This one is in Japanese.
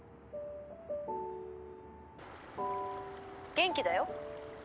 「元気だよ。